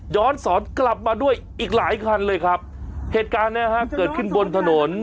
สอนกลับมาด้วยอีกหลายคันเลยครับเหตุการณ์เนี้ยฮะเกิดขึ้นบนถนน